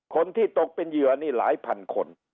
คนที่ตกเป็นเหยื่อนี่หลายพันคน